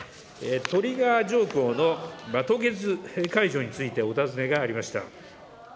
トリガー条項の凍結解除について、お尋ねがありました。